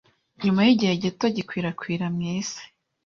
nyuma y’igihe gito gikwirakwira mu isi